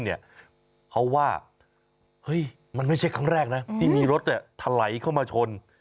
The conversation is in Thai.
เฮ้ยมันไม่ใช่คำแรกนะที่มีรถทะไหลเข้ามาชน